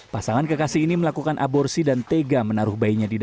pasangan kekasih ini melakukan aborsi dan tega menaruh bayinya di dalamnya